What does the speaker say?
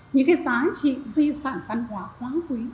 những cái giá trị di sản văn hóa quá quý